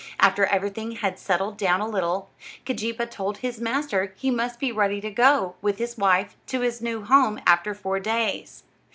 After everything had settled down a little, Keejeepaa told his master he must be ready to go, with his wife, to his new home after four days.